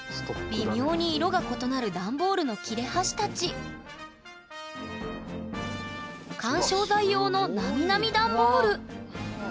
微妙に色が異なるダンボールの切れ端たち緩衝材用のなみなみダンボールうわあ！